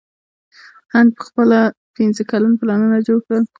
هند پنځه کلن پلانونه جوړ کړل.